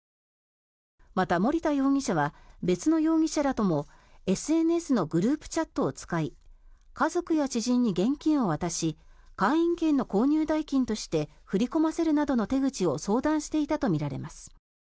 また、森田容疑者は別の容疑者らともＳＮＳのグループチャットを使い家族や知人に現金を渡し会員権の購入代金として振り込ませる手口を相談していたとみられます。